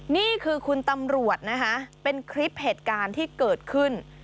นี่คือคุณตำรวจนะคะเป็นคลิปเหตุการณ์ที่เกิดขึ้น